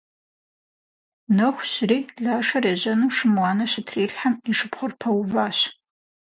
Нэху щыри, Лашэр ежьэну шым уанэ щытрилъхьэм, и шыпхъур пэуващ.